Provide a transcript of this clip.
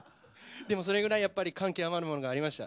でもそれくらいやっぱり感極まるものがありました。